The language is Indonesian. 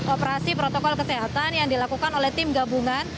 operasi protokol kesehatan yang dilakukan oleh tim gabungan